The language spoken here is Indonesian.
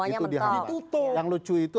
itu dihampak semuanya mentok yang lucu itu